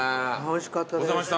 おいしかったです。